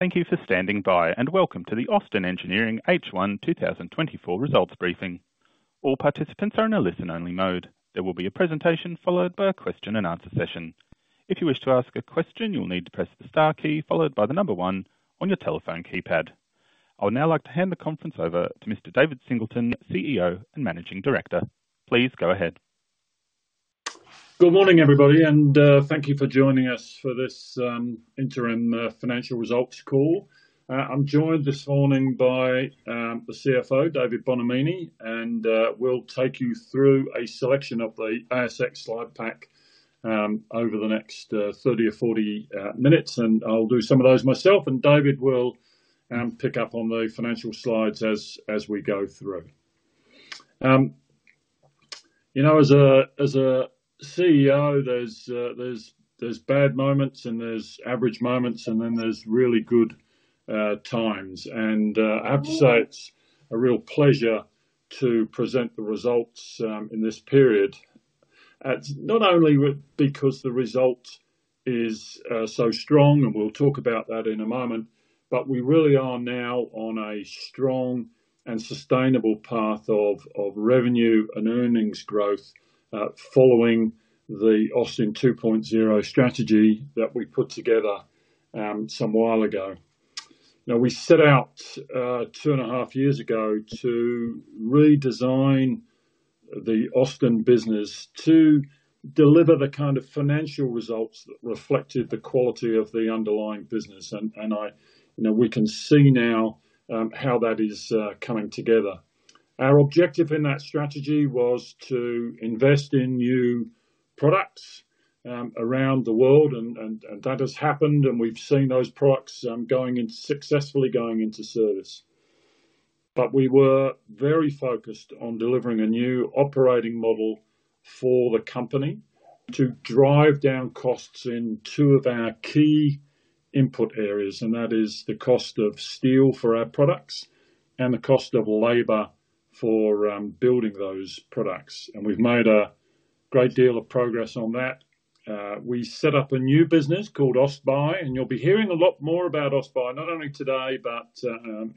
Thank you for standing by, and welcome to the Austin Engineering H1 2024 Results Briefing. All participants are in a listen-only mode. There will be a presentation followed by a question and answer session. If you wish to ask a question, you will need to press the star key, followed by the number one on your telephone keypad. I would now like to hand the conference over to Mr. David Singleton, CEO and Managing Director. Please go ahead. Good morning, everybody, and thank you for joining us for this interim financial results call. I'm joined this morning by the CFO, David Bonomini, and we'll take you through a selection of the ASX slide pack over the next 30 or 40 minutes, and I'll do some of those myself, and David will pick up on the financial slides as we go through. You know, as a CEO, there's bad moments and there's average moments, and then there's really good times. I have to say, it's a real pleasure to present the results in this period. It's not only because the result is so strong, and we'll talk about that in a moment, but we really are now on a strong and sustainable path of revenue and earnings growth, following the Austin 2.0 strategy that we put together some while ago. Now, we set out two and a half years ago to redesign the Austin business to deliver the kind of financial results that reflected the quality of the underlying business, and you know, we can see now how that is coming together. Our objective in that strategy was to invest in new products around the world, and that has happened, and we've seen those products successfully going into service. We were very focused on delivering a new operating model for the company to drive down costs in two of our key input areas, and that is the cost of steel for our products and the cost of labor for building those products. We've made a great deal of progress on that. We set up a new business called AustBuy, and you'll be hearing a lot more about AustBuy, not only today, but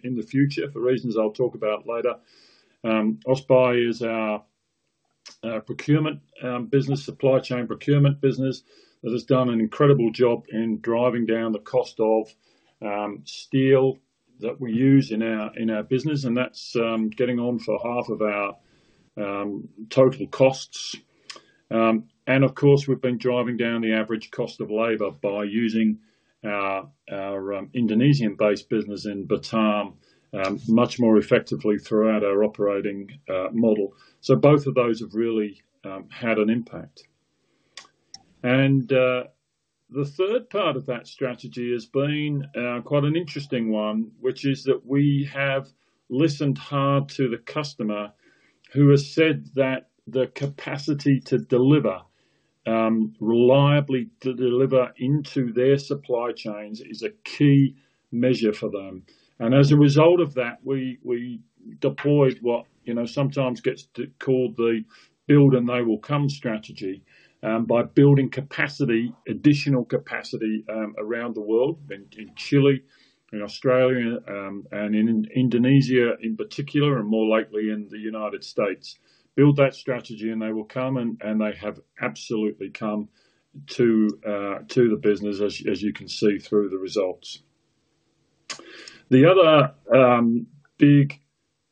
in the future, for reasons I'll talk about later. AustBuy is our procurement business, supply chain procurement business, that has done an incredible job in driving down the cost of steel that we use in our business, and that's getting on for half of our total costs. And of course, we've been driving down the average cost of labor by using our Indonesian-based business in Batam much more effectively throughout our operating model. So both of those have really had an impact. The third part of that strategy has been quite an interesting one, which is that we have listened hard to the customer, who has said that the capacity to deliver reliably into their supply chains is a key measure for them. As a result of that, we deployed what you know sometimes gets called the build and they will come strategy by building capacity, additional capacity around the world, in Chile, in Australia, and in Indonesia in particular, and more lately in the United States. Build that strategy and they will come, and they have absolutely come to the business, as you can see through the results. The other big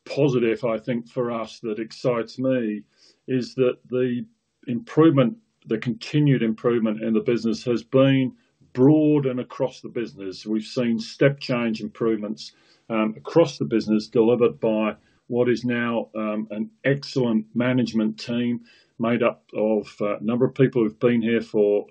positive, I think, for us, that excites me, is that the improvement, the continued improvement in the business has been broad and across the business. We've seen step change improvements across the business, delivered by what is now an excellent management team made up of a number of people who've been here for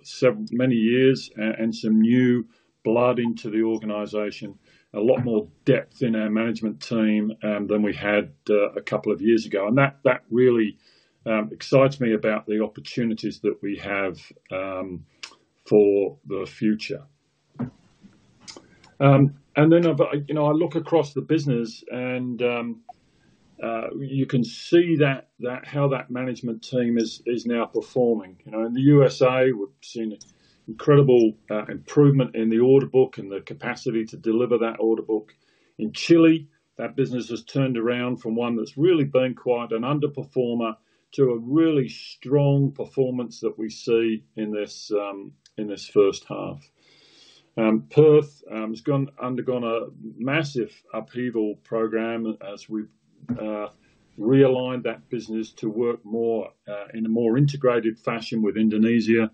many years, and some new blood into the organization. A lot more depth in our management team than we had a couple of years ago. And that really excites me about the opportunities that we have for the future. And then I've, I... You know, I look across the business and, you can see that, how that management team is now performing. You know, in the USA, we've seen an incredible improvement in the order book and the capacity to deliver that order book. In Chile, that business has turned around from one that's really been quite an underperformer to a really strong performance that we see in this first half. Perth has gone undergone a massive upheaval program as we've realigned that business to work more in a more integrated fashion with Indonesia,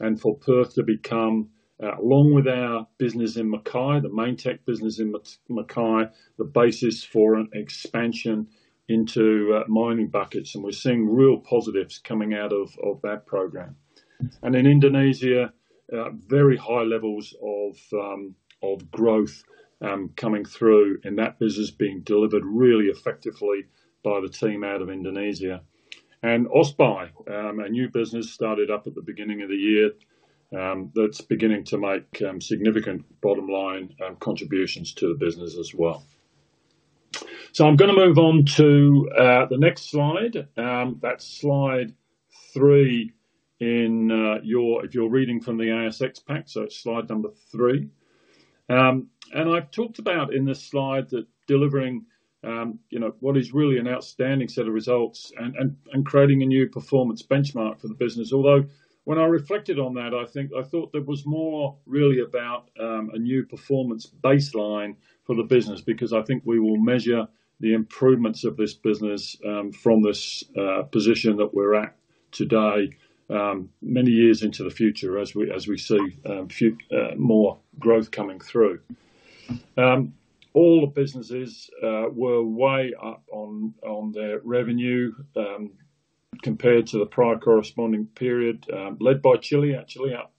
and for Perth to become, along with our business in Mackay, the Mainetec business in Mackay, the basis for an expansion into mining buckets, and we're seeing real positives coming out of that program. In Indonesia, very high levels of growth coming through, and that business being delivered really effectively by the team out of Indonesia. AustBuy, a new business started up at the beginning of the year, that's beginning to make significant bottom line contributions to the business as well. So I'm gonna move on to the next slide, that's slide three in your—if you're reading from the ASX pack, so it's slide number three. And I've talked about in this slide that delivering, you know, what is really an outstanding set of results and, and, and creating a new performance benchmark for the business. Although, when I reflected on that, I think, I thought there was more really about a new performance baseline for the business, because I think we will measure the improvements of this business from this position that we're at today many years into the future as we see more growth coming through. All the businesses were way up on their revenue compared to the prior corresponding period, led by Chile, actually up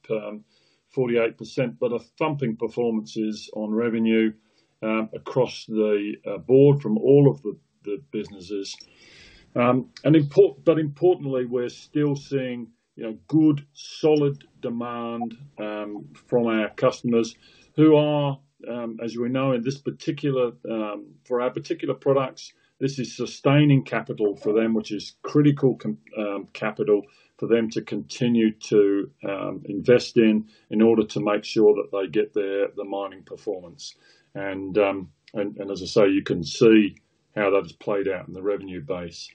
48%, but a thumping performances on revenue across the board from all of the businesses. But importantly, we're still seeing, you know, good solid demand from our customers who are, as we know, in this particular... For our particular products, this is sustaining capital for them, which is critical capital for them to continue to invest in order to make sure that they get their mining performance. And as I say, you can see how that's played out in the revenue base.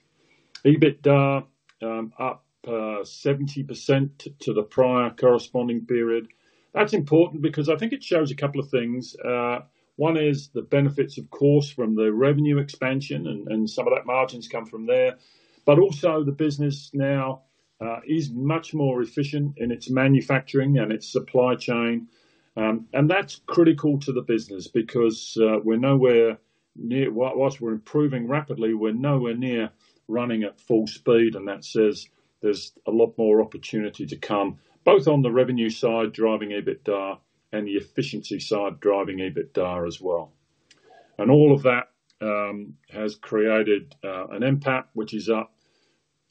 EBITDA up 70% to the prior corresponding period. That's important because I think it shows a couple of things. One is the benefits, of course, from the revenue expansion and some of that margins come from there, but also the business now is much more efficient in its manufacturing and its supply chain. And that's critical to the business because we're nowhere near... Whilst we're improving rapidly, we're nowhere near running at full speed, and that says there's a lot more opportunity to come, both on the revenue side, driving EBITDA, and the efficiency side, driving EBITDA as well. And all of that has created an NPAT, which is up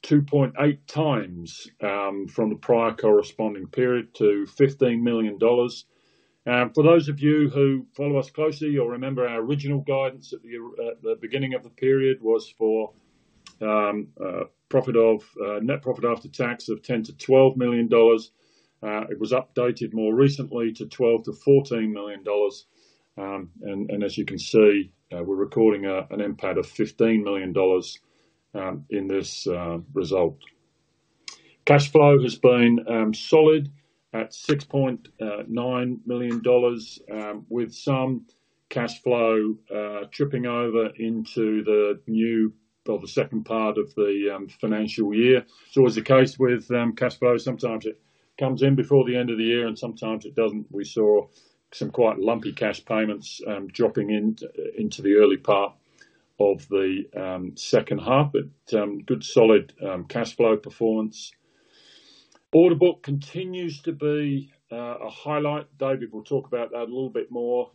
2.8x from the prior corresponding period to $15 million. And for those of you who follow us closely, you'll remember our original guidance at the beginning of the period was for net profit after tax of $10 million-$12 million. It was updated more recently to $12 million-$14 million. And as you can see, we're recording an NPAT of $15 million in this result. Cash flow has been solid at $6.9 million, with some cash flow tripping over into the new or the second part of the financial year. It's always the case with cash flow. Sometimes it comes in before the end of the year, and sometimes it doesn't. We saw some quite lumpy cash payments dropping into the early part of the second half, but good solid cash flow performance. Order book continues to be a highlight. David will talk about that a little bit more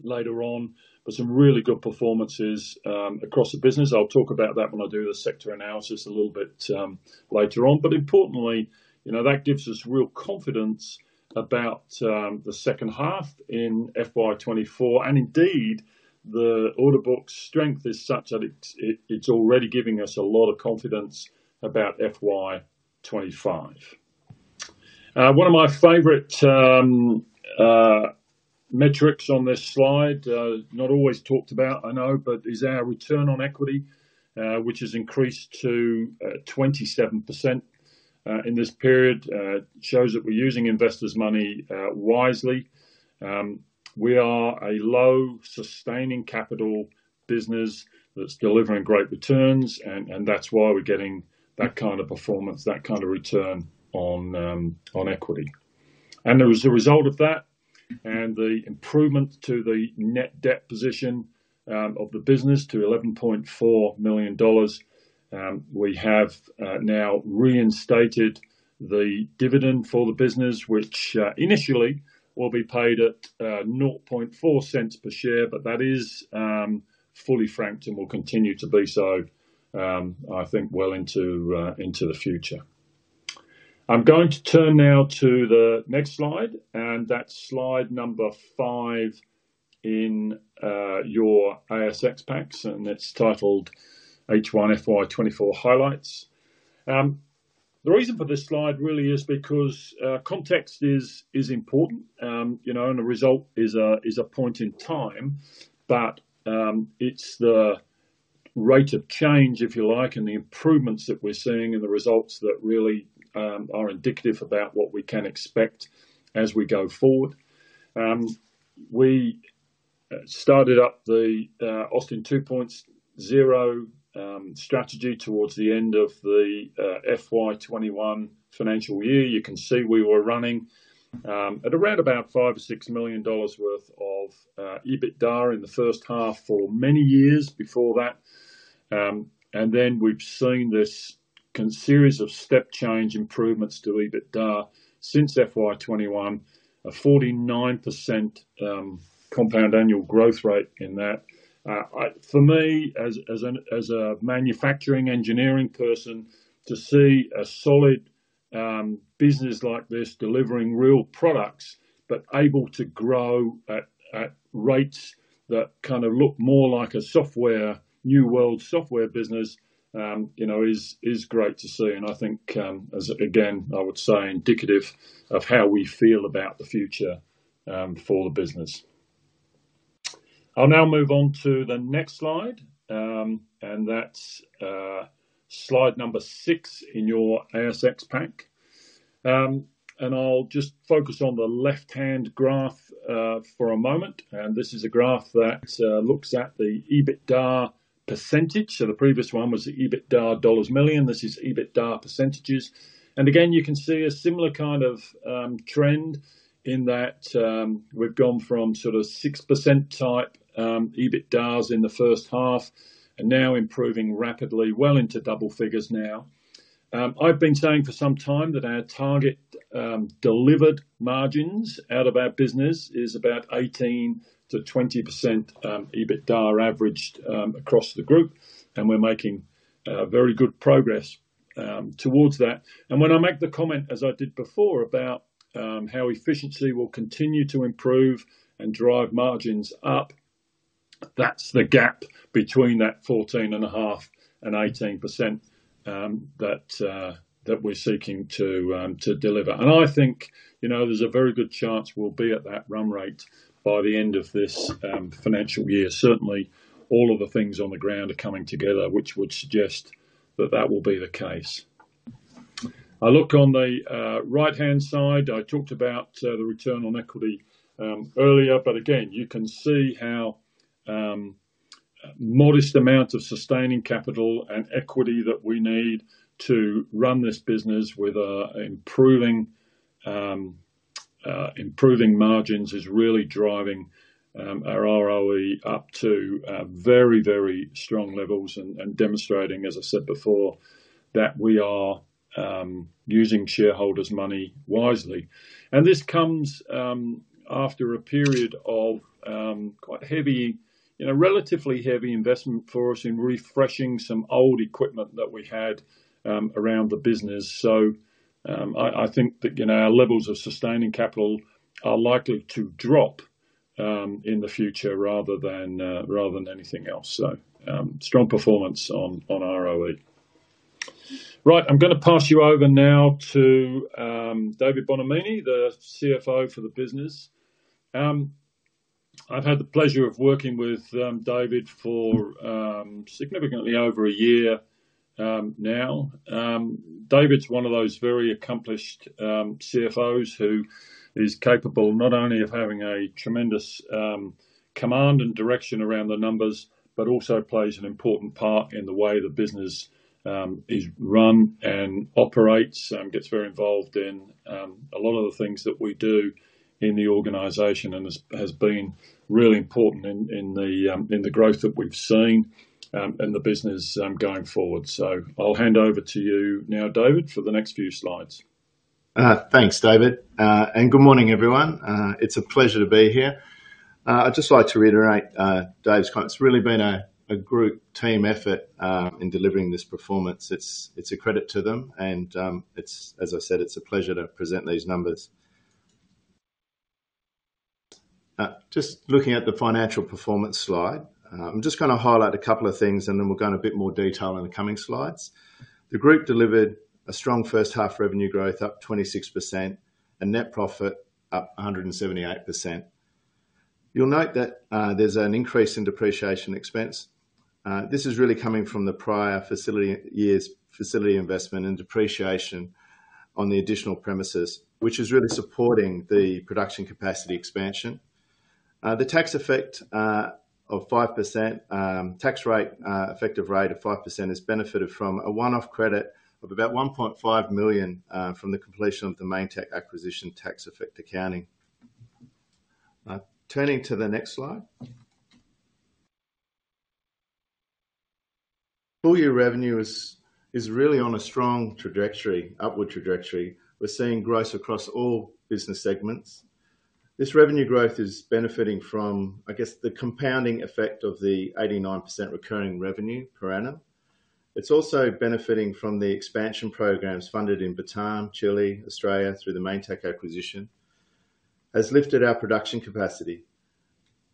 later on, but some really good performances across the business. I'll talk about that when I do the sector analysis a little bit later on. But importantly, you know, that gives us real confidence about the second half in FY 2024, and indeed, the order book's strength is such that it's already giving us a lot of confidence about FY 2025. One of my favorite metrics on this slide, not always talked about, I know, but is our return on equity, which has increased to 27% in this period. It shows that we're using investors' money wisely. We are a low sustaining capital business that's delivering great returns, and that's why we're getting that kind of performance, that kind of return on equity. As a result of that, and the improvement to the net debt position of the business to $11.4 million, we have now reinstated the dividend for the business, which initially will be paid at $0.4 per share, but that is fully franked and will continue to be so, I think well into into the future. I'm going to turn now to the next slide, and that's slide number five in your ASX packs, and it's titled H1 FY 2024 highlights. The reason for this slide really is because context is important, you know, and the result is a point in time, but it's the rate of change, if you like, and the improvements that we're seeing and the results that really are indicative about what we can expect as we go forward. We started up the Austin 2.0 strategy towards the end of the FY 2021 financial year. You can see we were running at around about $5 million-$6 million worth of EBITDA in the first half for many years before that. And then we've seen this series of step change improvements to EBITDA since FY 2021, a 49% compound annual growth rate in that. I... For me, as a manufacturing engineering person, to see a solid business like this, delivering real products, but able to grow at rates that kinda look more like a software, new world software business, you know, is great to see. And I think, again, I would say, indicative of how we feel about the future for the business. I'll now move on to the next slide, and that's slide number six in your ASX pack. And I'll just focus on the left-hand graph for a moment. And this is a graph that looks at the EBITDA percentage. So the previous one was the EBITDA dollars million, this is EBITDA percentages. Again, you can see a similar kind of trend in that, we've gone from sort of 6% type EBITDA in the first half, and now improving rapidly, well into double figures now. I've been saying for some time that our target delivered margins out of our business is about 18%-20% EBITDA averaged across the group, and we're making very good progress towards that. And when I make the comment, as I did before, about how efficiency will continue to improve and drive margins up, that's the gap between that 14.5% and 18% that we're seeking to deliver. And I think, you know, there's a very good chance we'll be at that run rate by the end of this financial year. Certainly, all of the things on the ground are coming together, which would suggest that that will be the case. I look on the right-hand side. I talked about the return on equity earlier, but again, you can see how modest amounts of sustaining capital and equity that we need to run this business with, improving margins, is really driving our ROE up to very, very strong levels and demonstrating, as I said before, that we are using shareholders' money wisely. And this comes after a period of quite heavy, in a relatively heavy investment for us in refreshing some old equipment that we had around the business. So, I think that, you know, our levels of sustaining capital are likely to drop in the future rather than anything else. So, strong performance on ROE. Right, I'm gonna pass you over now to David Bonomini, the CFO for the business. I've had the pleasure of working with David for significantly over a year now. David's one of those very accomplished CFOs who is capable, not only of having a tremendous command and direction around the numbers, but also plays an important part in the way the business is run and operates, and gets very involved in a lot of the things that we do in the organization. And has been really important in the growth that we've seen in the business going forward. I'll hand over to you now, David, for the next few slides. Thanks, David. And good morning, everyone. It's a pleasure to be here. I'd just like to reiterate Dave's comments. It's really been a group team effort in delivering this performance. It's a credit to them, and it's a pleasure to present these numbers. Just looking at the financial performance slide, I'm just gonna highlight a couple of things, and then we'll go in a bit more detail in the coming slides. The group delivered a strong first half revenue growth, up 26%, and net profit, up 178%. You'll note that there's an increase in depreciation expense. This is really coming from the prior facility, years' facility investment and depreciation on the additional premises, which is really supporting the production capacity expansion. The tax effect of 5% tax rate effective rate of 5% has benefited from a one-off credit of about $1.5 million from the completion of the Mainetec acquisition, tax effect accounting. Turning to the next slide. Full-year revenue is really on a strong trajectory, upward trajectory. We're seeing growth across all business segments. This revenue growth is benefiting from, I guess, the compounding effect of the 89% recurring revenue per annum. It's also benefiting from the expansion programs funded in Batam, Chile, Australia, through the Mainetec acquisition, has lifted our production capacity.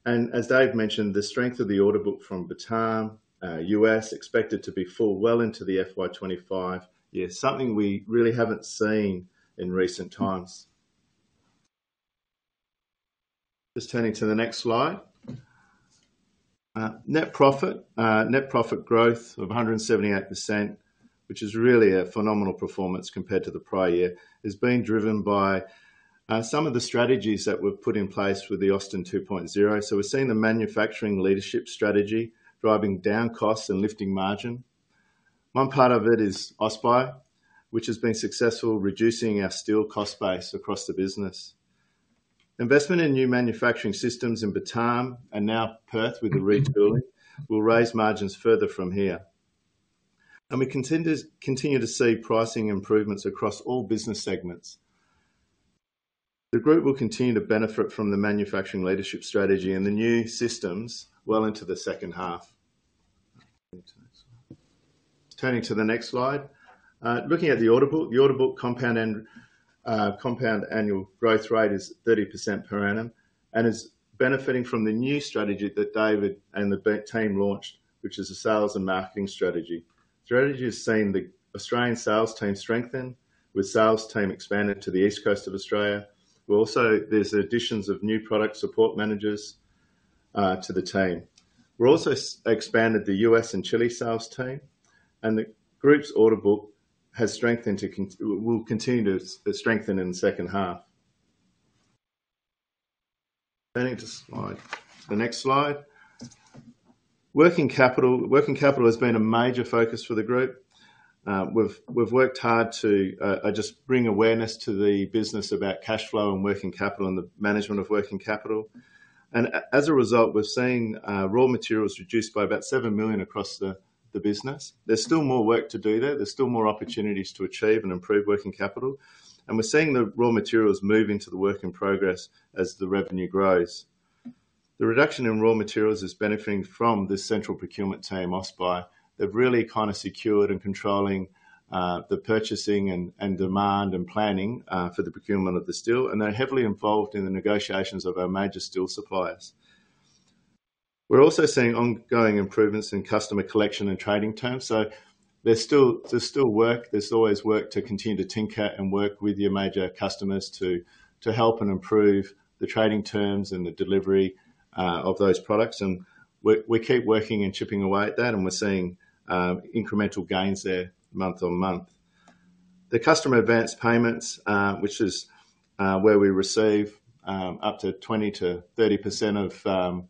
And as Dave mentioned, the strength of the order book from Batam, U.S., expected to be full well into the FY 2025 year, something we really haven't seen in recent times. Just turning to the next slide. Net profit. Net profit growth of 178%, which is really a phenomenal performance compared to the prior year, is being driven by some of the strategies that were put in place with the Austin 2.0. So we're seeing the manufacturing leadership strategy, driving down costs and lifting margin. One part of it is AustBuy, which has been successful, reducing our steel cost base across the business. Investment in new manufacturing systems in Batam are now Perth with the retooling, will raise margins further from here. And we continue to see pricing improvements across all business segments... The group will continue to benefit from the manufacturing leadership strategy and the new systems well into the second half. Turning to the next slide. Looking at the order book, the order book compound and compound annual growth rate is 30% per annum, and is benefiting from the new strategy that David and the exec team launched, which is a sales and marketing strategy. The strategy is seeing the Australian sales team strengthen, with sales team expanded to the East Coast of Australia, but also there's additions of new product support managers to the team. We're also expanded the U.S. and Chile sales team, and the group's order book has strengthened to will continue to strengthen in the second half. Turning to the next slide. Working capital. Working capital has been a major focus for the group. We've worked hard to just bring awareness to the business about cash flow and working capital and the management of working capital. As a result, we're seeing raw materials reduced by about $7 million across the business. There's still more work to do there. There's still more opportunities to achieve and improve working capital, and we're seeing the raw materials move into the work in progress as the revenue grows. The reduction in raw materials is benefiting from this central procurement team, AustBuy. They've really kind of secured and controlling the purchasing and demand and planning for the procurement of the steel, and they're heavily involved in the negotiations of our major steel suppliers. We're also seeing ongoing improvements in customer collection and trading terms, so there's still work. There's always work to continue to tinker and work with your major customers to, to help and improve the trading terms and the delivery of those products, and we, we keep working and chipping away at that, and we're seeing incremental gains there month-on-month. The customer advanced payments, which is where we receive up to 20%-30% of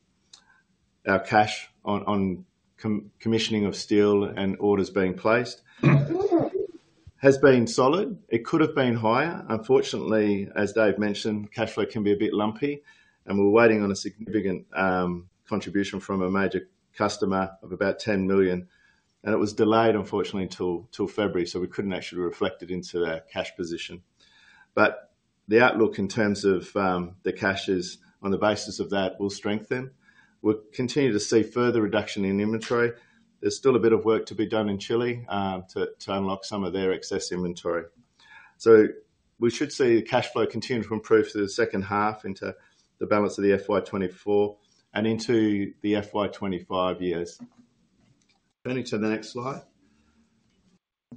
our cash on commissioning of steel and orders being placed, has been solid. It could have been higher. Unfortunately, as Dave mentioned, cash flow can be a bit lumpy, and we're waiting on a significant contribution from a major customer of about $10 million, and it was delayed, unfortunately, until February, so we couldn't actually reflect it into our cash position. But the outlook in terms of the cash is, on the basis of that, will strengthen. We'll continue to see further reduction in inventory. There's still a bit of work to be done in Chile to unlock some of their excess inventory. So we should see the cash flow continue to improve through the second half into the balance of the FY 2024 and into the FY 2025 years. Turning to the next slide.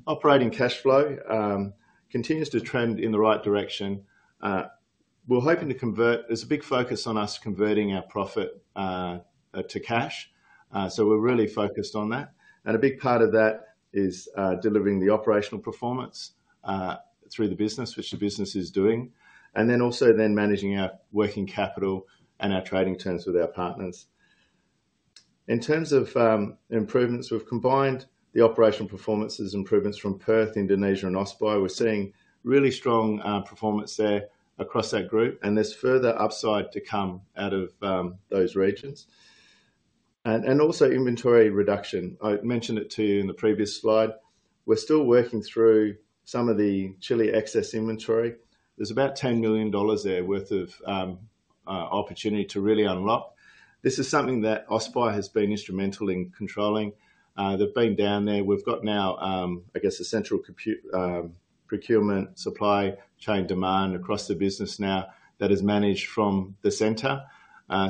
Operating cash flow continues to trend in the right direction. We're hoping to convert... There's a big focus on us converting our profit to cash, so we're really focused on that. And a big part of that is delivering the operational performance through the business, which the business is doing, and then also then managing our working capital and our trading terms with our partners. In terms of improvements, we've combined the operational performances improvements from Perth, Indonesia, and AustBuy. We're seeing really strong performance there across our group, and there's further upside to come out of those regions. Also inventory reduction. I mentioned it to you in the previous slide. We're still working through some of the Chile excess inventory. There's about $10 million there worth of opportunity to really unlock. This is something that AustBuy has been instrumental in controlling. They've been down there. We've got now, I guess, a central procurement, supply chain demand across the business now that is managed from the center.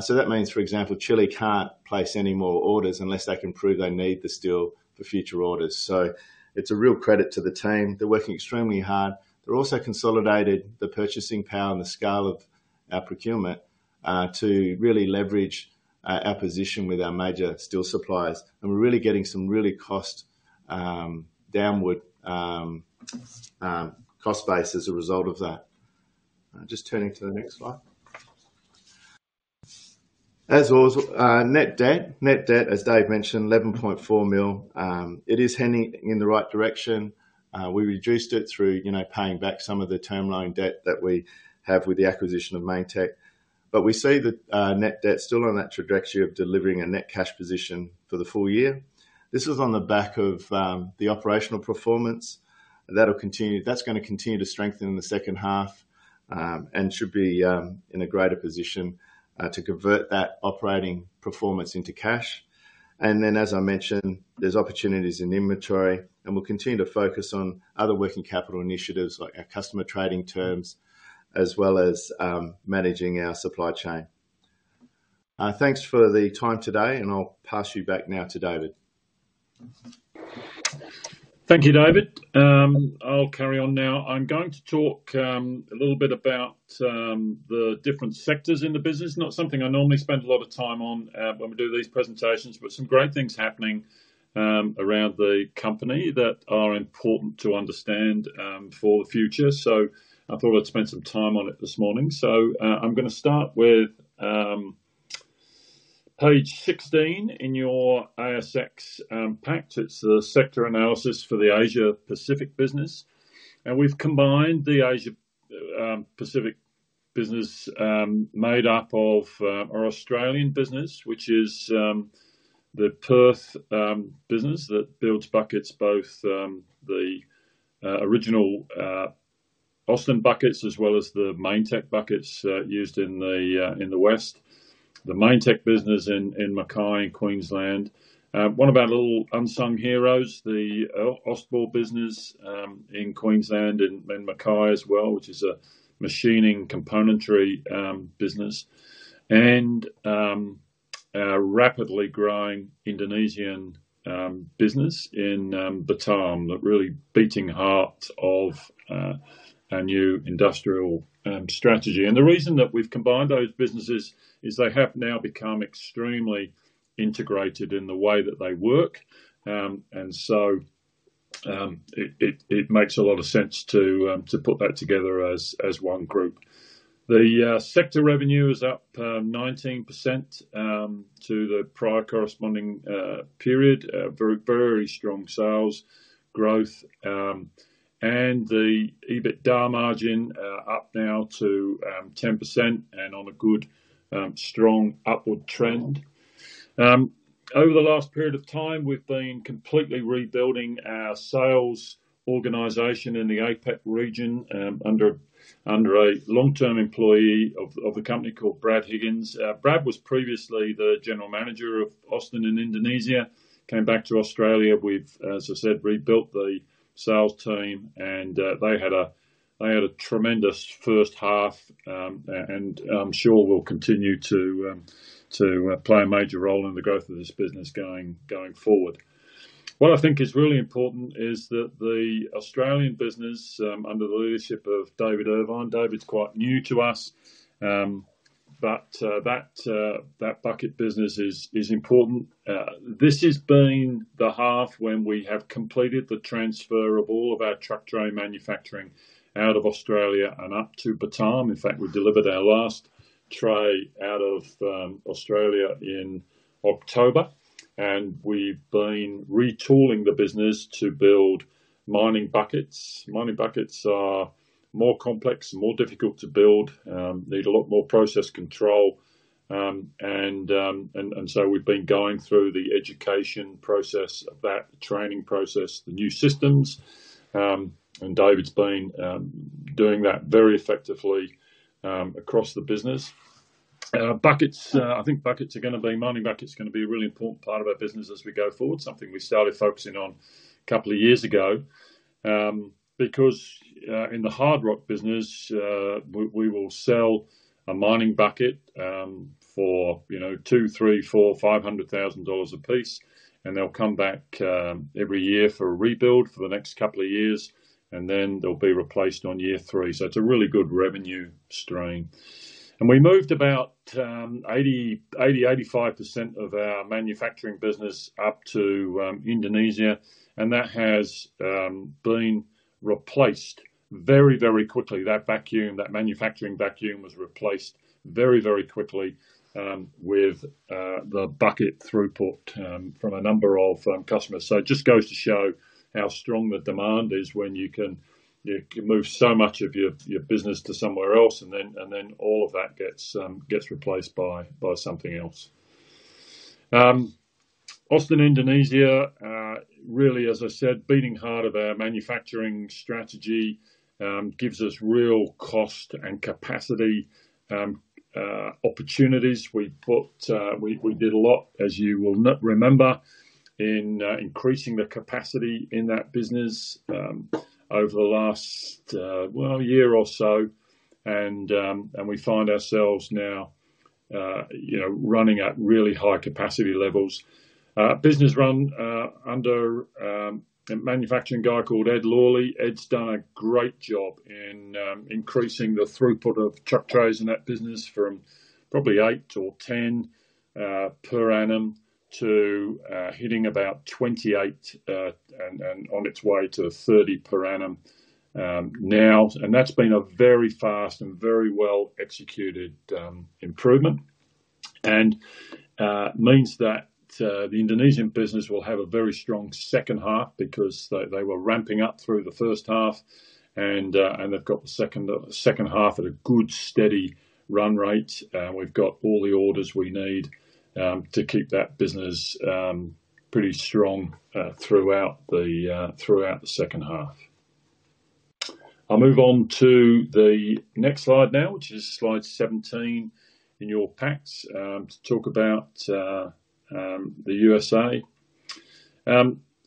So that means, for example, Chile can't place any more orders unless they can prove they need the steel for future orders. So it's a real credit to the team. They're working extremely hard. They're also consolidated the purchasing power and the scale of our procurement to really leverage our, our position with our major steel suppliers, and we're really getting some really cost downward cost base as a result of that. Just turning to the next slide. As well as net debt. Net debt, as Dave mentioned, $11.4 million. It is heading in the right direction. We reduced it through, you know, paying back some of the term loan debt that we have with the acquisition of Mainetec. But we see the net debt still on that trajectory of delivering a net cash position for the full year. This is on the back of the operational performance. That'll continue... That's gonna continue to strengthen in the second half, and should be in a greater position to convert that operating performance into cash. And then, as I mentioned, there's opportunities in inventory, and we'll continue to focus on other working capital initiatives, like our customer trading terms, as well as managing our supply chain. Thanks for the time today, and I'll pass you back now to David. Thank you, David. I'll carry on now. I'm going to talk a little bit about the different sectors in the business. Not something I normally spend a lot of time on when we do these presentations, but some great things happening around the company that are important to understand for the future. So I thought I'd spend some time on it this morning. So, I'm gonna start with page 16 in your ASX pack. It's the sector analysis for the Asia Pacific business, and we've combined the Asia-Pacific business made up of our Australian business, which is the Perth business that builds buckets, both the original Austin buckets as well as the Mainetec buckets used in the West. The Mainetec business in Mackay in Queensland. One of our little unsung heroes, the Austbore business in Queensland and Mackay as well, which is a machining componentry business, and our rapidly growing Indonesian business in Batam, the really beating heart of our new industrial strategy. The reason that we've combined those businesses is they have now become extremely integrated in the way that they work, and so it makes a lot of sense to put that together as one group. The sector revenue is up 19% to the prior corresponding period. Very, very strong sales growth, and the EBITDA margin up now to 10% and on a good strong upward trend. Over the last period of time, we've been completely rebuilding our sales organization in the APAC region, under a long-term employee of the company called Brad Higgins. Brad was previously the general manager of Austin in Indonesia. Came back to Australia. We've, as I said, rebuilt the sales team, and they had a tremendous first half, and I'm sure will continue to play a major role in the growth of this business going forward. What I think is really important is that the Australian business under the leadership of David Irvine. David's quite new to us, but that bucket business is important. This has been the half when we have completed the transfer of all of our truck tray manufacturing out of Australia and up to Batam. In fact, we delivered our last tray out of Australia in October, and we've been retooling the business to build mining buckets. Mining buckets are more complex and more difficult to build, need a lot more process control, and so we've been going through the education process of that, the training process, the new systems, and David's been doing that very effectively across the business. Buckets, I think mining buckets are gonna be a really important part of our business as we go forward, something we started focusing on a couple of years ago, because in the hard rock business, we will sell a mining bucket for, you know, $200,000, $300,000, $400,000, $500,000 a piece, and they'll come back every year for a rebuild for the next couple of years, and then they'll be replaced on year three. So it's a really good revenue stream. And we moved about 80%, 85% of our manufacturing business up to Indonesia, and that has been replaced very, very quickly. That vacuum, that manufacturing vacuum, was replaced very, very quickly with the bucket throughput from a number of customers. So it just goes to show how strong the demand is when you can move so much of your business to somewhere else, and then all of that gets replaced by something else. Austin Indonesia really, as I said, beating heart of our manufacturing strategy, gives us real cost and capacity opportunities. We put... We did a lot, as you will remember, in increasing the capacity in that business, over the last, well, year or so, and we find ourselves now, you know, running at really high capacity levels. Business run under a manufacturing guy called Ed Lawley. Ed's done a great job in increasing the throughput of truck trays in that business from probably eight to 10 per annum to hitting about 28 and on its way to 30 per annum now. That's been a very fast and very well-executed improvement and means that the Indonesian business will have a very strong second half, because they, they were ramping up through the first half, and they've got the second, second half at a good, steady run rate. We've got all the orders we need to keep that business pretty strong throughout the second half. I'll move on to the next slide now, which is slide 17 in your packs to talk about the USA.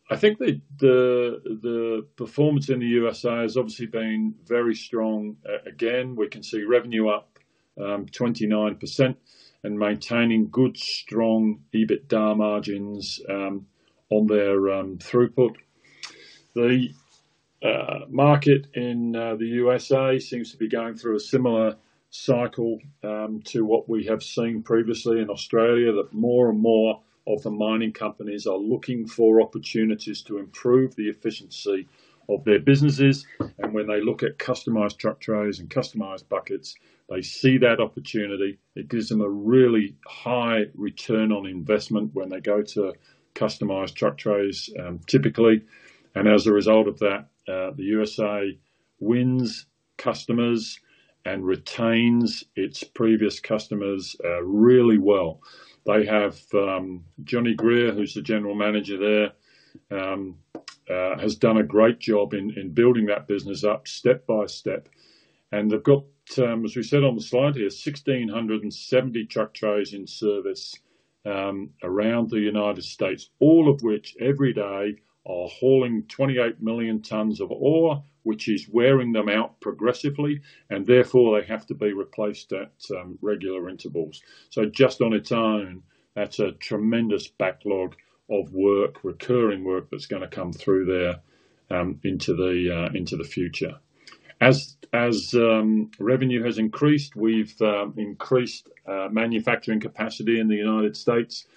I think the performance in the USA has obviously been very strong. Again, we can see revenue up 29% and maintaining good, strong EBITDA margins on their throughput. The market in the USA seems to be going through a similar cycle to what we have seen previously in Australia, that more and more of the mining companies are looking for opportunities to improve the efficiency of their businesses, and when they look at customized truck trays and customized buckets, they see that opportunity. It gives them a really high return on investment when they go to customized truck trays, typically, and as a result of that, the USA wins customers and retains its previous customers really well. They have, Johnny Greer, who's the General Manager there, has done a great job in building that business up step by step. And they've got, as we said on the slide here, 1,670 truck trays in service, around the United States, all of which, every day, are hauling 28 million tons of ore, which is wearing them out progressively, and therefore, they have to be replaced at regular intervals. So just on its own, that's a tremendous backlog of work, recurring work, that's gonna come through there, into the future. As revenue has increased, we've increased manufacturing capacity in the United States.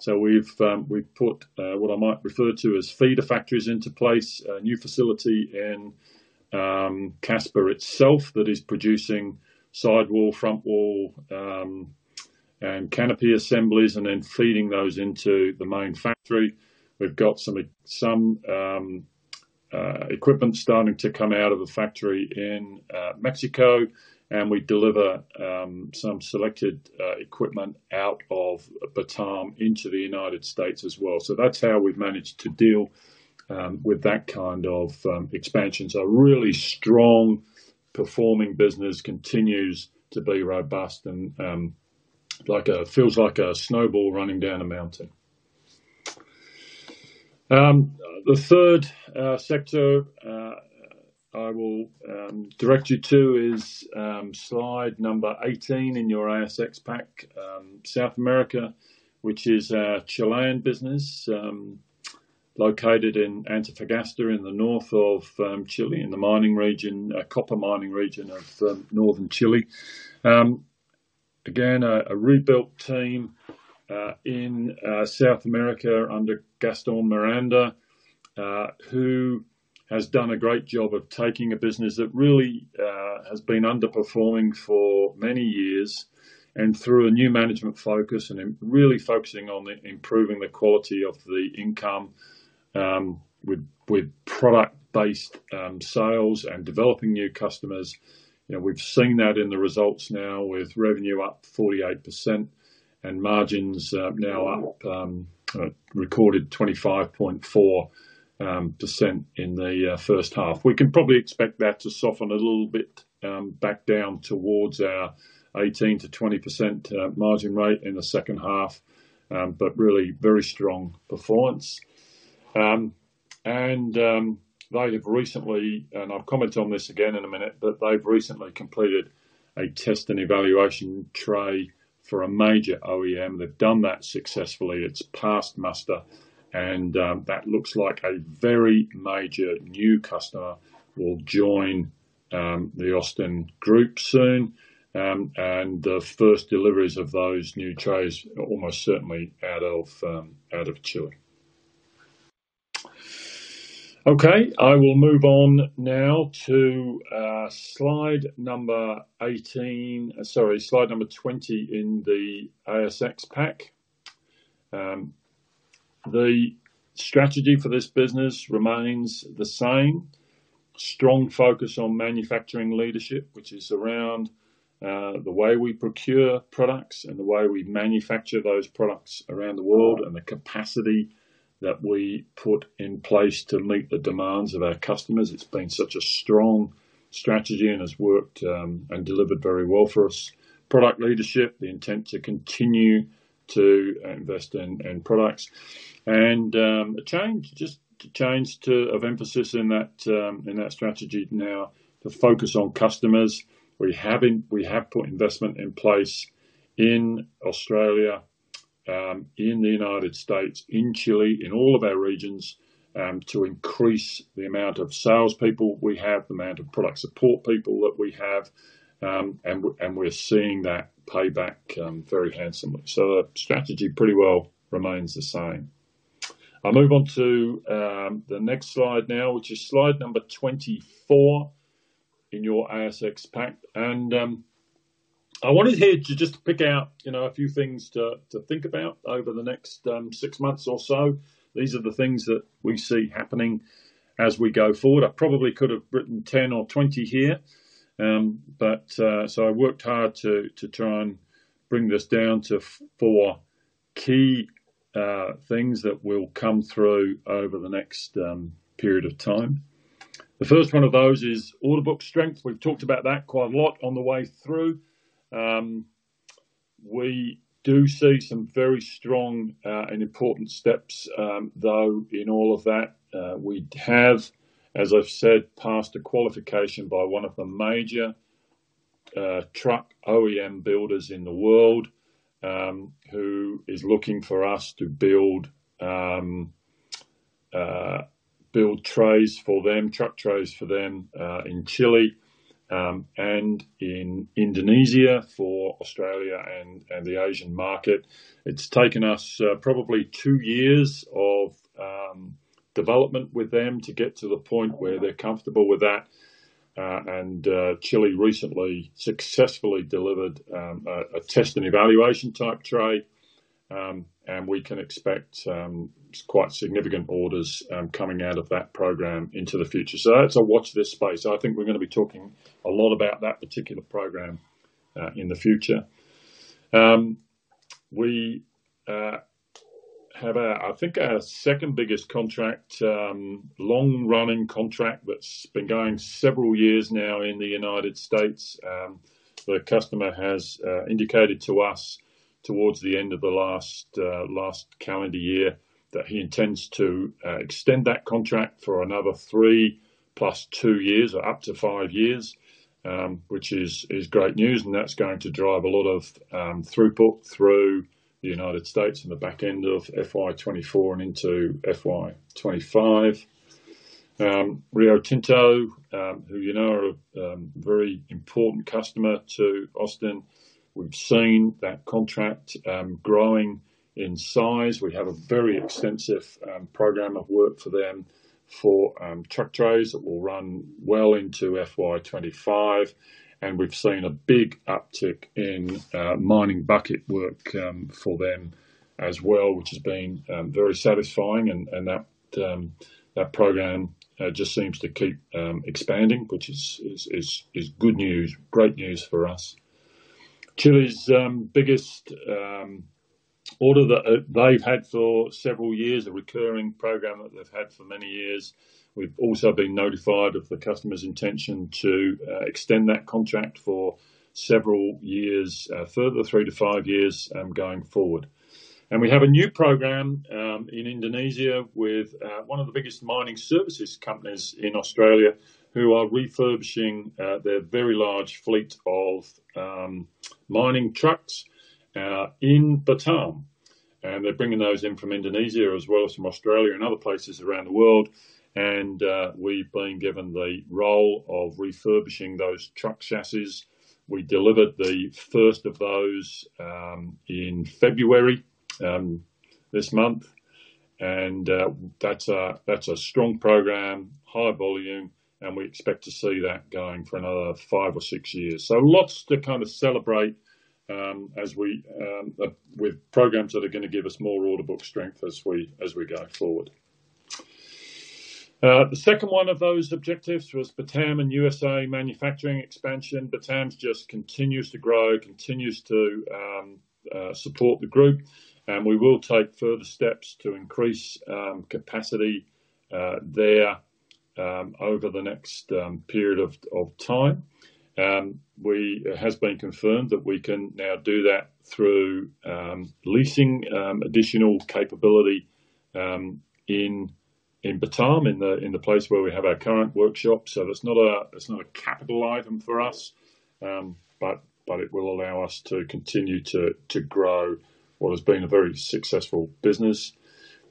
So we've put what I might refer to as feeder factories into place, a new facility in Casper itself, that is producing sidewall, front wall, and canopy assemblies, and then feeding those into the main factory. We've got equipment starting to come out of the factory in Mexico, and we deliver some selected equipment out of Batam into the United States as well. So that's how we've managed to deal with that kind of expansion. So a really strong performing business continues to be robust and like a-- feels like a snowball running down a mountain. The third sector I will direct you to is slide number 18 in your ASX pack, South America, which is a Chilean business, located in Antofagasta, in the North of Chile, in the mining region, copper mining region of Northern Chile. Again, a rebuilt team in South America under Gaston Miranda, who has done a great job of taking a business that really has been underperforming for many years, and through a new management focus and really focusing on the improving the quality of the income, with product-based sales and developing new customers. You know, we've seen that in the results now, with revenue up 48% and margins now up recorded 25.4% in the first half. We can probably expect that to soften a little bit, back down towards our 18%-20% margin rate in the second half, but really, very strong performance. And I'll comment on this again in a minute, but they've recently completed a test and evaluation tray for a major OEM. They've done that successfully. It's passed master, and that looks like a very major new customer will join the Austin group soon, and the first deliveries of those new trays are almost certainly out of Chile. Okay, I will move on now to slide number 18... Sorry, slide number 20 in the ASX pack. The strategy for this business remains the same. Strong focus on manufacturing leadership, which is around the way we procure products and the way we manufacture those products around the world, and the capacity that we put in place to meet the demands of our customers. It's been such a strong strategy and has worked and delivered very well for us. Product leadership, the intent to continue to invest in products. A change, just a change of emphasis in that strategy now, to focus on customers. We have put investment in place in Australia, in the United States, in Chile, in all of our regions, to increase the amount of salespeople we have, the amount of product support people that we have, and we're seeing that pay back very handsomely. The strategy pretty well remains the same. I'll move on to the next slide now, which is slide number 24 in your ASX pack. I wanted here to just pick out, you know, a few things to, to think about over the next six months or so. These are the things that we see happening as we go forward. I probably could have written 10 or 20 here, but. I worked hard to, to try and bring this down to four key things that will come through over the next period of time. The first one of those is order book strength. We've talked about that quite a lot on the way through. We do see some very strong and important steps, though, in all of that. We have, as I've said, passed a qualification by one of the major truck OEM builders in the world, who is looking for us to build truck trays for them in Chile and in Indonesia for Australia and the Asian market. It's taken us probably two years of development with them to get to the point where they're comfortable with that. And Chile recently successfully delivered a test and evaluation type tray, and we can expect quite significant orders coming out of that program into the future. So that's a watch this space. I think we're gonna be talking a lot about that particular program in the future. We have, I think, our second biggest contract, long-running contract that's been going several years now in the United States. The customer has indicated to us towards the end of the last calendar year that he intends to extend that contract for another three plus two years, or up to five years, which is great news, and that's going to drive a lot of throughput through the United States in the back end of FY 2024 and into FY 2025. Rio Tinto, who you know are very important customer to Austin. We've seen that contract growing in size. We have a very extensive program of work for them for truck trays that will run well into FY 2025, and we've seen a big uptick in mining bucket work for them as well, which has been very satisfying. And that program just seems to keep expanding, which is good news, great news for us. Chile's biggest order that they've had for several years, a recurring program that they've had for many years. We've also been notified of the customer's intention to extend that contract for several years further, three to five years going forward. And we have a new program in Indonesia with one of the biggest mining services companies in Australia, who are refurbishing their very large fleet of mining trucks in Batam. And they're bringing those in from Indonesia as well as from Australia and other places around the world. And, we've been given the role of refurbishing those truck chassis. We delivered the first of those, in February, this month. And, that's a, that's a strong program, high volume, and we expect to see that going for another five or six years. So lots to kind of celebrate, as we, with programs that are gonna give us more order book strength as we, as we go forward. The second one of those objectives was Batam and USA manufacturing expansion. Batam just continues to grow, continues to, support the group, and we will take further steps to increase, capacity, there, over the next, period of, time. It has been confirmed that we can now do that through leasing additional capability in Batam, in the place where we have our current workshop. So it's not a capital item for us, but it will allow us to continue to grow what has been a very successful business.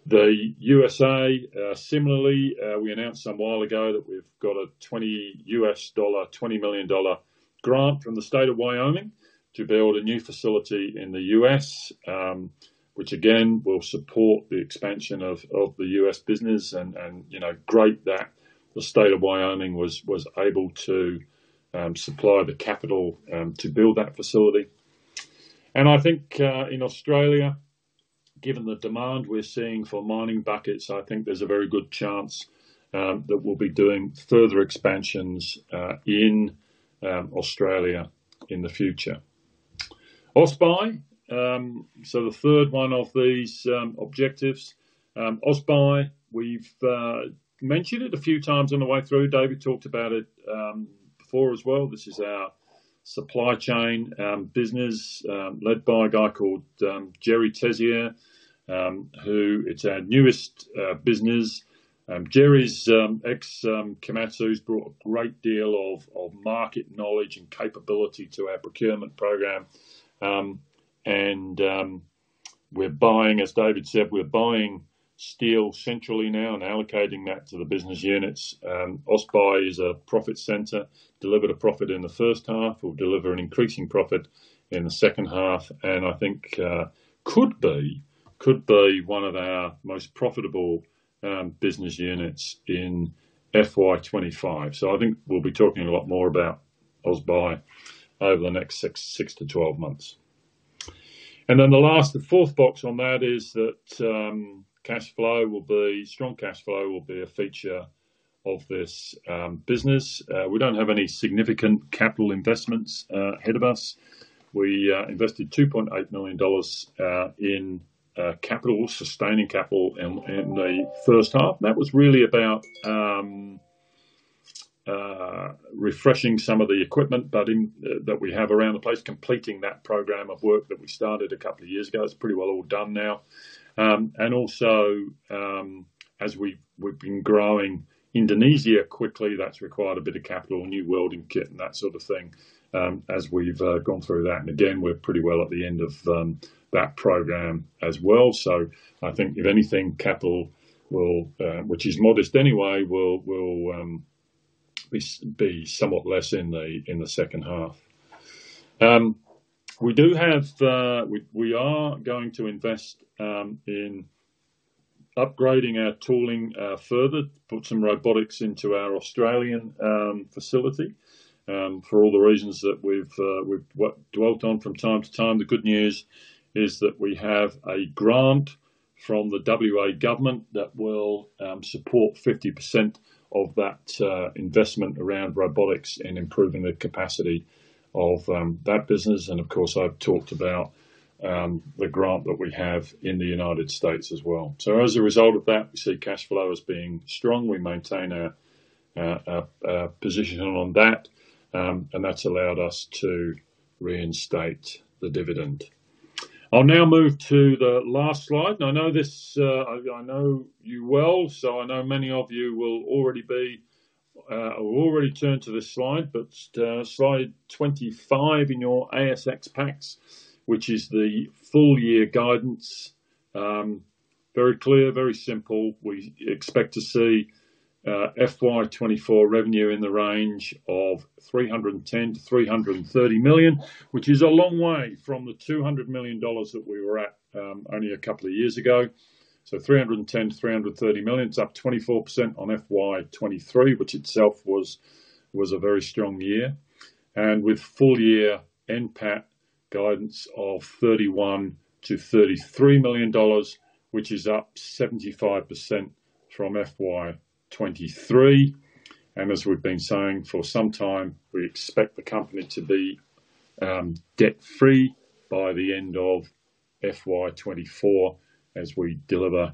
The USA, similarly, we announced some while ago that we've got a $20 million grant from the state of Wyoming to build a new facility in the U.S., which again, will support the expansion of the U.S. business. And, you know, great that the state of Wyoming was able to supply the capital to build that facility. I think, in Australia, given the demand we're seeing for mining buckets, I think there's a very good chance that we'll be doing further expansions, in Australia in the future. AustBuy, so the third one of these objectives. AustBuy, we've mentioned it a few times on the way through. David talked about it, before as well. This is our supply chain business, led by a guy called Gerry Tessier. It's our newest business. Gerry's ex Komatsu's brought a great deal of market knowledge and capability to our procurement program. And we're buying—As David said, we're buying steel centrally now and allocating that to the business units. AustBuy is a profit center, delivered a profit in the first half. We'll deliver an increasing profit in the second half, and I think could be one of our most profitable business units in FY 2025. So I think we'll be talking a lot more about AustBuy over the next six to 12 months. And then the last, the fourth box on that is that cash flow will be strong cash flow will be a feature of this business. We don't have any significant capital investments ahead of us. We invested $2.8 million in sustaining capital in the first half. That was really about refreshing some of the equipment building that we have around the place, completing that program of work that we started a couple of years ago. It's pretty well all done now. And also, as we've been growing Indonesia quickly, that's required a bit of capital, new welding kit, and that sort of thing, as we've gone through that. And again, we're pretty well at the end of that program as well. So I think if anything, capital, which is modest anyway, will be somewhat less in the second half. We are going to invest in upgrading our tooling further, put some robotics into our Australian facility, for all the reasons that we've dwelt on from time to time. The good news is that we have a grant from the WA government that will support 50% of that investment around robotics and improving the capacity of that business. Of course, I've talked about the grant that we have in the United States as well. As a result of that, we see cash flow as being strong. We maintain our position on that, and that's allowed us to reinstate the dividend. I'll now move to the last slide. I know this, I know you well, so I know many of you will already be or already turned to this slide, but slide 25 in your ASX packs, which is the full year guidance. Very clear, very simple. We expect to see FY 2024 revenue in the range of $310 million-$330 million, which is a long way from the $200 million that we were at only a couple of years ago. $310 million-$330 million, it's up 24% on FY 2023, which itself was a very strong year. With full year NPAT guidance of $31 million-$33 million, which is up 75% from FY 2023. As we've been saying for some time, we expect the company to be debt-free by the end of FY 2024 as we deliver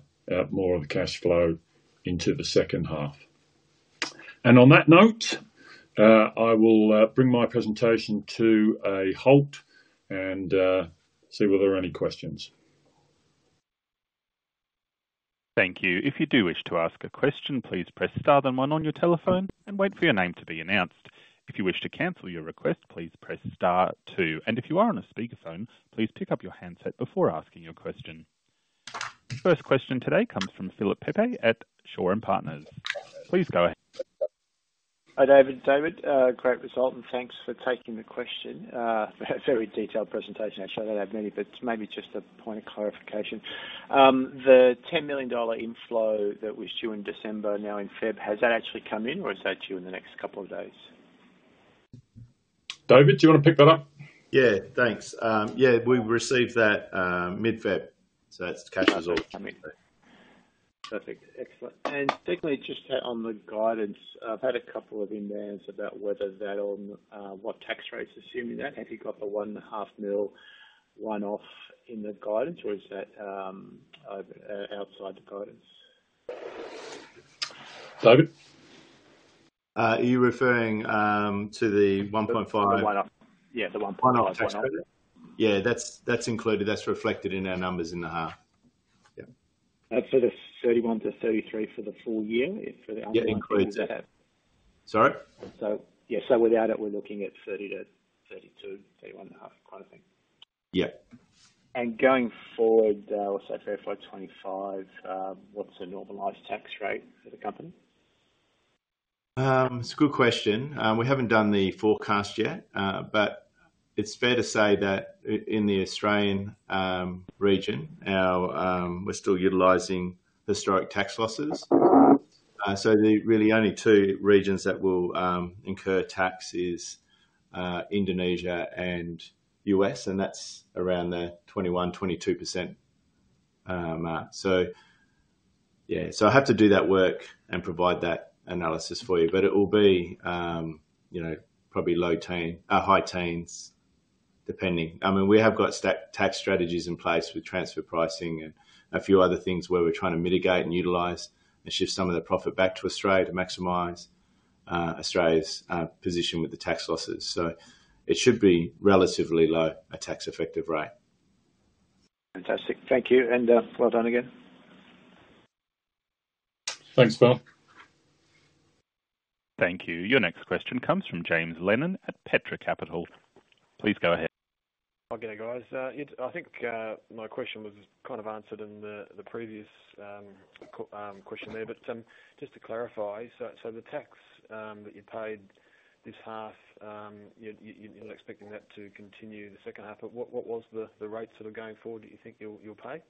more of the cash flow into the second half. On that note, I will bring my presentation to a halt and see whether there are any questions. Thank you. If you do wish to ask a question, please press star then one on your telephone and wait for your name to be announced. If you wish to cancel your request, please press star two. And if you are on a speakerphone, please pick up your handset before asking your question. First question today comes from Philip Pepe at Shaw and Partners. Please go ahead. Hi, David. David, great result, and thanks for taking the question. A very detailed presentation. I'm sure I don't have many, but maybe just a point of clarification. The $10 million dollar inflow that was due in December, now in Feb, has that actually come in, or is that due in the next couple of days? David, do you wanna pick that up? Yeah, thanks. Yeah, we received that mid-Feb, so that's cash result. Perfect. Excellent. And secondly, just on the guidance, I've had a couple of inbounds about whether that on what tax rate is assuming that. Have you got the $1.5 million one-off in the guidance, or is that outside the guidance? David? Are you referring to the $1.5 million- Yeah, the $1.5 million. Yeah, that's, that's included. That's reflected in our numbers in the half. Yeah. That's for the $31 million-$33 million for the full year? For the- Yeah, includes that. Sorry? So, yeah, so without it, we're looking at $30 million-$32 million, $31.5 million, kind of thing? Yeah. Going forward, let's say for FY 2025, what's the normalized tax rate for the company? It's a good question. We haven't done the forecast yet, but it's fair to say that in the Australian region, our... We're still utilizing historic tax losses. So the really only two regions that will incur tax is Indonesia and U.S., and that's around the 21%, 22% mark. So yeah, so I have to do that work and provide that analysis for you, but it will be, you know, probably low teen, or high teens, depending. I mean, we have got tax strategies in place with transfer pricing and a few other things where we're trying to mitigate and utilize, and shift some of the profit back to Australia to maximize Australia's position with the tax losses. So it should be relatively low, a tax-effective rate. Fantastic. Thank you, and, well done again. Thanks, Phil. Thank you. Your next question comes from James Lennon at Petra Capital. Please go ahead. I'll get it, guys. I think my question was kind of answered in the previous question there. But just to clarify, so the tax that you paid this half, you're expecting that to continue in the second half, but what was the rates that are going forward that you think you'll pay?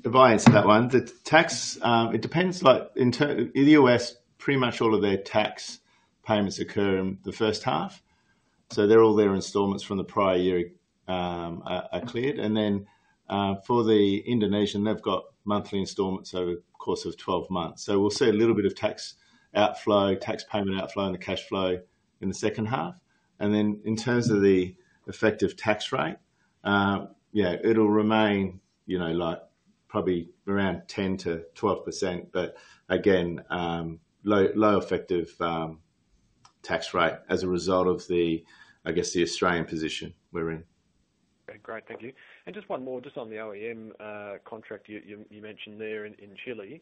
Divided to that one. The tax, it depends, like, in the U.S., pretty much all of their tax payments occur in the first half, so they're all their installments from the prior year are cleared. And then, for the Indonesian, they've got monthly installments over a course of 12 months. So we'll see a little bit of tax outflow, tax payment outflow and the cash flow in the second half. And then in terms of the effective tax rate, yeah, it'll remain, you know, like probably around 10%-12%, but again, low, low effective tax rate as a result of the, I guess, the Australian position we're in. Okay, great. Thank you. And just one more, just on the OEM contract you mentioned there in Chile.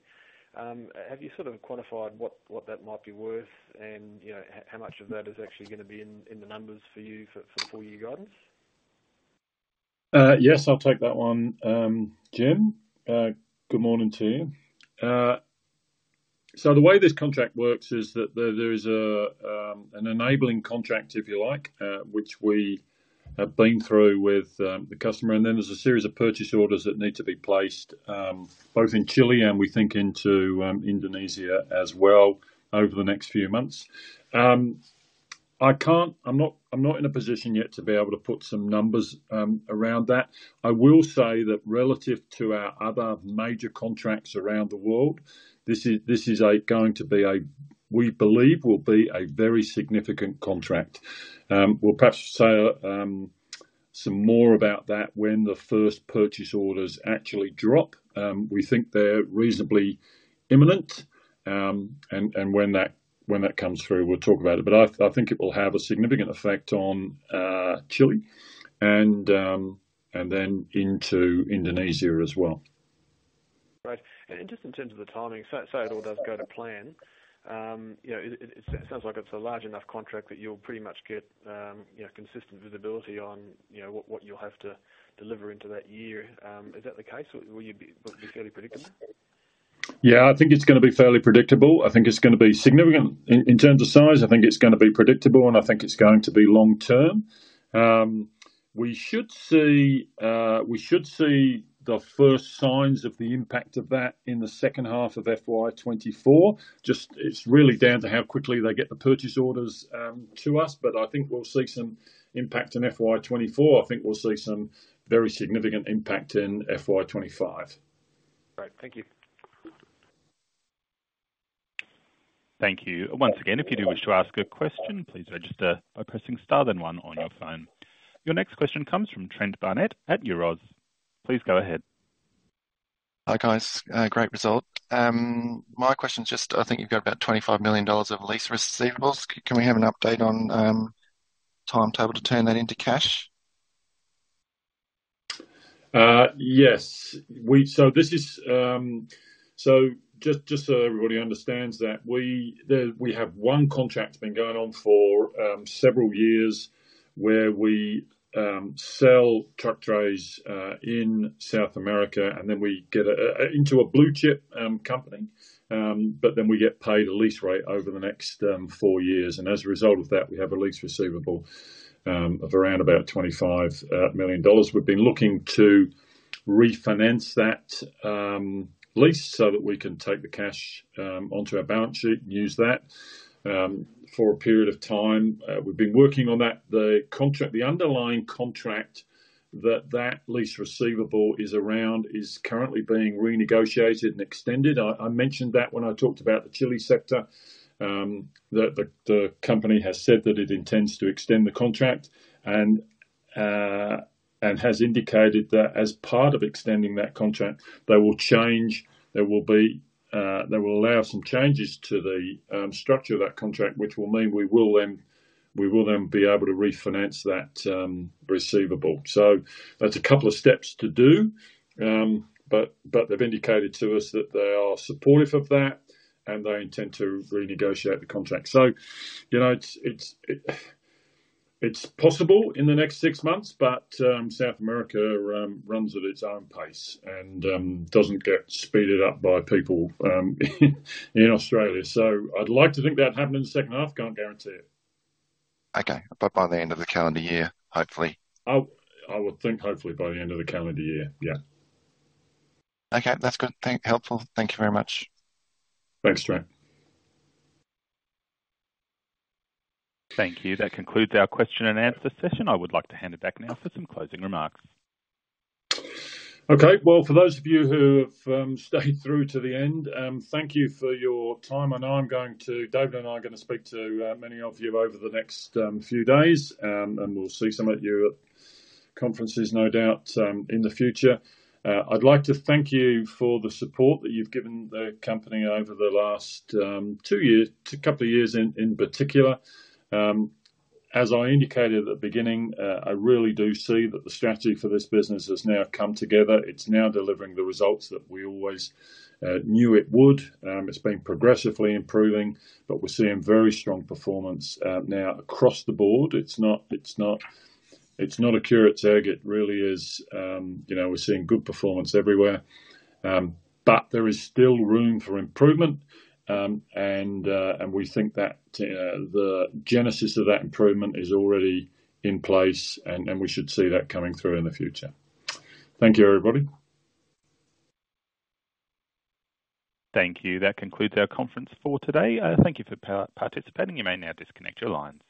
Have you sort of quantified what that might be worth and, you know, how much of that is actually gonna be in the numbers for you for the full year guidance? Yes, I'll take that one, Jim. Good morning to you. So the way this contract works is that there is an enabling contract, if you like, which we have been through with the customer, and then there's a series of purchase orders that need to be placed, both in Chile and we think into Indonesia as well over the next few months. I can't. I'm not in a position yet to be able to put some numbers around that. I will say that relative to our other major contracts around the world, this is going to be, we believe, a very significant contract. We'll perhaps say some more about that when the first purchase orders actually drop. We think they're reasonably imminent, and when that comes through, we'll talk about it. But I think it will have a significant effect on Chile and then into Indonesia as well. Right. And just in terms of the timing, so, say it all does go to plan, you know, it sounds like it's a large enough contract that you'll pretty much get, you know, consistent visibility on, you know, what you'll have to deliver into that year. Is that the case? Will you be, will it be fairly predictable? Yeah, I think it's gonna be fairly predictable. I think it's gonna be significant. In terms of size, I think it's gonna be predictable, and I think it's going to be long term. We should see the first signs of the impact of that in the second half of FY 2024. Just... It's really down to how quickly they get the purchase orders to us, but I think we'll see some impact in FY 2024. I think we'll see some very significant impact in FY 2025. Great. Thank you. Thank you. Once again, if you do wish to ask a question, please register by pressing star then one on your phone. Your next question comes from Trent Barnett at Euroz. Please go ahead. Hi, guys. Great result. My question is just, I think you've got about $25 million of lease receivables. Can we have an update on timetable to turn that into cash? Yes, so just so everybody understands that, we have one contract that's been going on for several years, where we sell truck trays in South America, and then we get into a blue chip company, but then we get paid a lease rate over the next four years. And as a result of that, we have a lease receivable of around about $25 million. We've been looking to refinance that lease so that we can take the cash onto our balance sheet and use that for a period of time. We've been working on that. The underlying contract that that lease receivable is around is currently being renegotiated and extended. I mentioned that when I talked about the Chile sector, that the company has said that it intends to extend the contract and has indicated that as part of extending that contract, they will change. There will be, they will allow some changes to the structure of that contract, which will mean we will then, we will then be able to refinance that receivable. So that's a couple of steps to do, but they've indicated to us that they are supportive of that, and they intend to renegotiate the contract. So, you know, it's possible in the next six months, but South America runs at its own pace and doesn't get speeded up by people in Australia. So I'd like to think that'd happen in the second half, can't guarantee it. Okay. But by the end of the calendar year, hopefully? I would think hopefully by the end of the calendar year, yeah. Okay, that's good. That's helpful. Thank you very much. Thanks, Trent. Thank you. That concludes our question and answer session. I would like to hand it back now for some closing remarks. Okay. Well, for those of you who have stayed through to the end, thank you for your time. I know I'm going to... David and I are gonna speak to many of you over the next few days, and we'll see some of you at conferences, no doubt, in the future. I'd like to thank you for the support that you've given the company over the last two years, couple of years in particular. As I indicated at the beginning, I really do see that the strategy for this business has now come together. It's now delivering the results that we always knew it would. It's been progressively improving, but we're seeing very strong performance now across the board. It's not a curate's egg. It really is, you know, we're seeing good performance everywhere, but there is still room for improvement. And we think that the genesis of that improvement is already in place, and we should see that coming through in the future. Thank you, everybody. Thank you. That concludes our conference for today. Thank you for participating. You may now disconnect your lines.